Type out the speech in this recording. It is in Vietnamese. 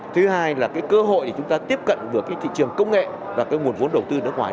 thứ hai là cơ hội để chúng ta tiếp cận với thị trường công nghệ và nguồn vốn đầu tư nước ngoài